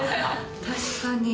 確かに。